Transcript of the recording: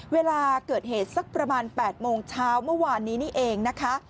เวลาเกิดเหตุสักประมาณ๘โมงเช้าเมื่อวานนี้นี่เองนะคะ